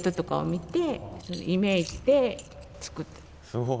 すごい。